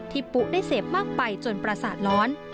ปุ๊ได้เสพมากไปจนประสาทร้อน